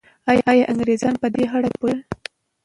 ایا انګریزان په دې اړه پوهېدل؟